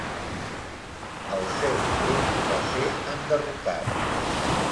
El seu burg va ser enderrocat.